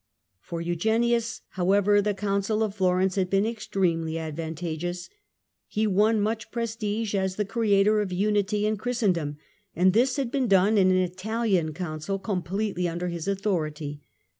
For Eugenius, however, the Council of Florence had been extremely advantageous. He won much prestige as the creator of unity in Christendom, and this had been done in an Italian Council completely under his authority.